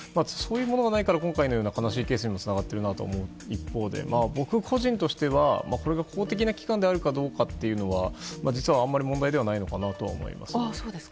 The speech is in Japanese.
そういうものがないから今回のような悲しいケースにつながっているなと思う一方で僕個人としては公的な機関であるかどうかは実はあまり問題ではないのかなと思います。